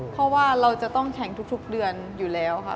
เพราะว่าเราจะต้องแข่งทุกเดือนอยู่แล้วค่ะ